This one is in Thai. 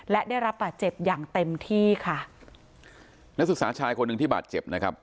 และได้รับบาดเจ็บอย่างเต็มที่ค่ะนักศึกษาชายคนหนึ่งที่บาดเจ็บนะครับ